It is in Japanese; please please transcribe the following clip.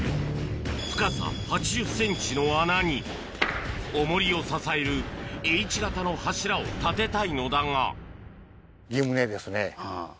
深さ８０ｃｍの穴にオモリを支えるＨ形の柱を立てたいのだがあぁ。